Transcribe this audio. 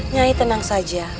nyai tenang saja